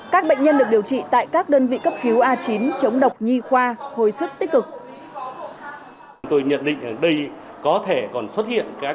các bệnh nhân được điều trị tại các đơn vị cấp cứu a chín chống độc nhi khoa hồi sức tích cực